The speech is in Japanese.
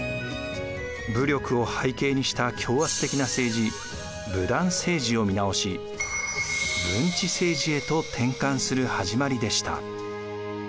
武力を背景にした強圧的な政治武断政治を見直し文治政治へと転換する始まりでした。